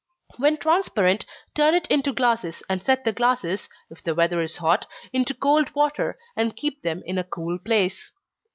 When transparent, turn it into glasses, and set the glasses, if the weather is hot, into cold water, and keep them in a cool place.